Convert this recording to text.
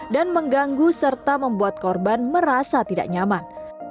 dan mengganggu serta membuat korban merasa tidak nyaman